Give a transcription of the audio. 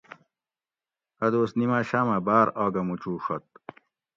اۤ دوس نِماۤشاۤمہ باۤر آگہ موچوڛت